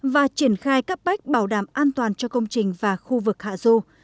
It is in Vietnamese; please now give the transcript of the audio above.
và triển khai các bách bảo đảm an toàn cho công trình và khu vực hạ ru